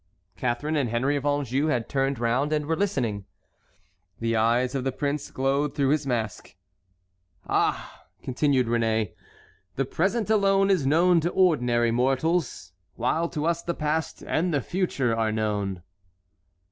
Catharine and Henry of Anjou had turned round and were listening. The eyes of the prince glowed through his mask. "Ah!" continued Réné, "the present alone is known to ordinary mortals; while to us the past and the future are known."